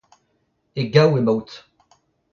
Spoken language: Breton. E gaou emaout.